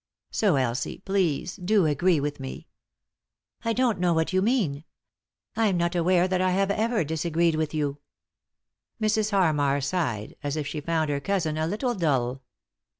So, Elsie, please, do agree with me." " I don't know what you mean. I'm not aware that I have ever disagreed with you." Mrs. Harmar sighed, as if she found her cousin a little dull.